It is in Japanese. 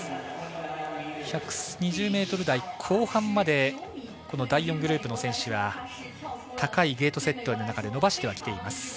１２０ｍ台後半までこの第４グループの選手は高いゲートセットの中で伸ばしてはきています。